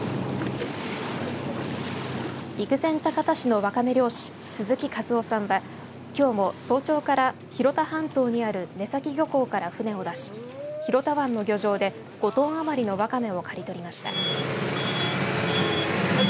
陸前高田市のワカメ漁師鈴木和男さんはきょうも早朝から広田半島にある三崎漁協から船を出し広田湾の漁場で５トンあまりのワカメを刈り取りました。